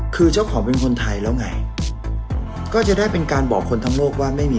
คือเจ้าของเป็นคนไทยแล้วไงก็จะได้เป็นการบอกคนทั้งโลกว่าไม่มี